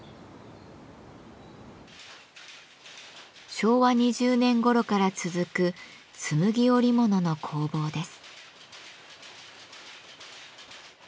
昭和２０年ごろから続くつむぎ織物の工房です。